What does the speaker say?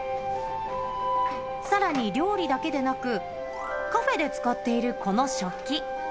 さらに料理だけでなく、カフェで使っているこの食器。